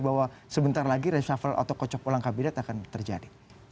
bahwa sebentar lagi reshuffle atau kocok ulang kabinet akan terjadi